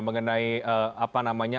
mengenai apa namanya